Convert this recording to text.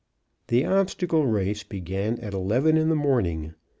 The obstacle race began at eleven in the morning.